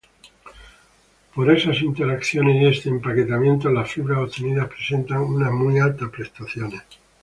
Por estas interacciones y este empaquetamiento, las fibras obtenidas presentan unas muy altas prestaciones.